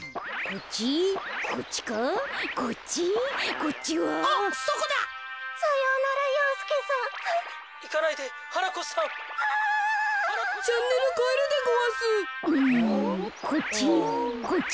こっち？